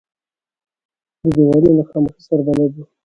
دی د دیوالونو له خاموشۍ سره بلد و.